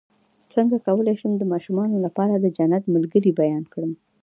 څنګه کولی شم د ماشومانو لپاره د جنت ملګري بیان کړم